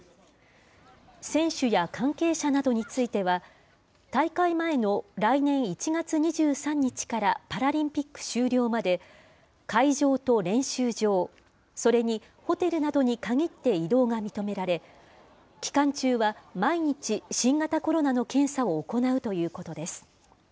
選手や関係者などについては、大会前の来年１月２３日からパラリンピック終了まで、会場と練習場、それにホテルなどに限って移動が認められ、期間中は毎日、新型コロナの検査を行うということです。